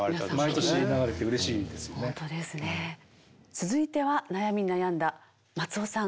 続いては悩み悩んだ松尾さん